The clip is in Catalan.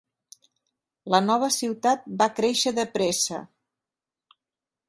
La nova ciutat va créixer de pressa.